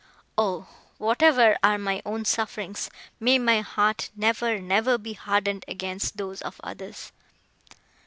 O! whatever are my own sufferings, may my heart never, never be hardened against those of others!"